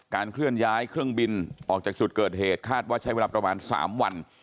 เคลื่อนย้ายเครื่องบินออกจากจุดเกิดเหตุคาดว่าใช้เวลาประมาณ๓วัน